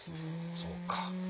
そうか。